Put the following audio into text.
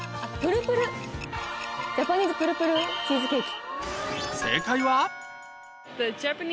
ジャパニーズプルプルチーズケーキ。